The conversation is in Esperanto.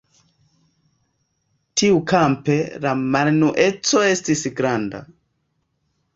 Tiukampe la malunueco estis granda.